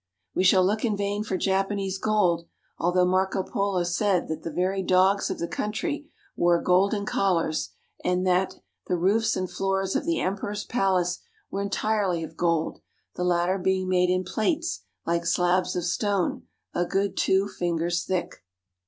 We shall look in vain for Japanese gold, although Marco Polo said that the very dogs of the country wore golden collars and that " the roofs and floors of the Emperor's Palace were entirely of gold, the latter being made in plates, like slabs of stone, a good two fingers thick."